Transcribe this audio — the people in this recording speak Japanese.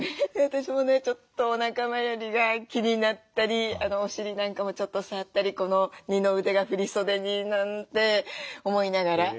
私もねちょっとおなか回りが気になったりお尻なんかもちょっと触ったりこの二の腕が振り袖になんて思いながら。